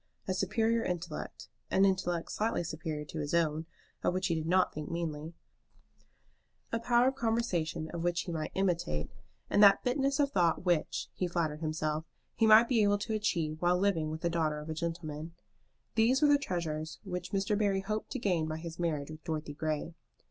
A superior intellect, an intellect slightly superior to his own, of which he did not think meanly, a power of conversation which he might imitate, and that fineness of thought which, he flattered himself, he might be able to achieve while living with the daughter of a gentleman, these were the treasures which Mr. Barry hoped to gain by his marriage with Dorothy Grey.